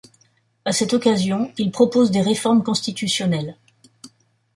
À cette occasion, il propose des réformes constitutionnelles.